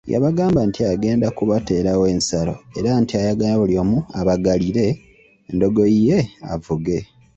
Yabagamba nti agenda kubateerawo ensalo era nti ayagala buli omu abagalire endogoyi ye avuge.